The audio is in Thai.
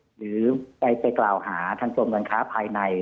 หรือไปกล่าวหาทางกรมการค้าภายใน